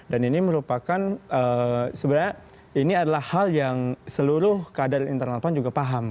dan ini merupakan sebenarnya ini adalah hal yang seluruh kader internal pan juga paham